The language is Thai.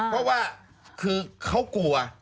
เพราะว่าคือเขากลัว